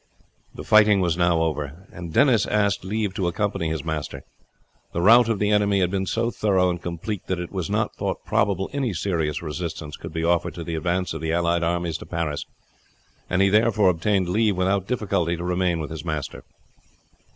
The fighting was now over, and Denis asked leave to accompany his master. The rout of the enemy had been so thorough and complete that it was not thought probable any serious resistance could be offered to the advance of the allied armies to Paris, and he therefore obtained leave without difficulty to remain with his master.